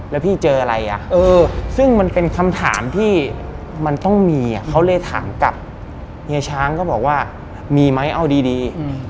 แล้วพี่เจออะไรอ่ะเออซึ่งมันเป็นคำถามที่มันต้องมีเขาเลยถามกับเฮียช้างก็บอกว่ามีไหมเอาดี